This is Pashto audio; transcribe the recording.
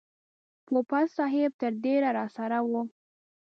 پوپل صاحب تر ډېره راسره و.